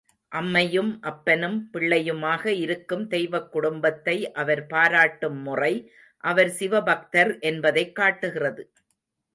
அம்மையும் அப்பனும் பிள்ளையுமாக இருக்கும் தெய்வக் குடும்பத்தை அவர் பாராட்டும் முறை அவர் சிவ பக்தர் என்பதைக் காட்டுகிறது.